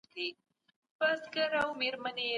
انلاين زده کړه زده کوونکي د درسونو محتوا مطالعه کول.